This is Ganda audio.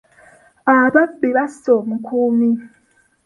Ababbi basse omukuumi.